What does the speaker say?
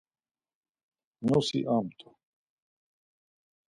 Nosi amt̆u.